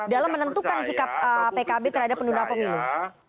dalam menentukan sikap pkb terhadap penduduk apem ini